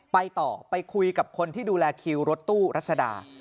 ไปต่อไปคุยกับคนที่ดูแลคิวรถตู้รัชดา